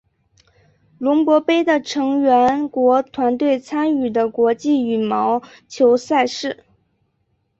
尤伯杯的成员国团队参与的国际羽毛球赛事。